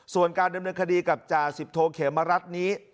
ส่วนการดำเนินคดีกับจ่าสิบโทเขมรัฐนี้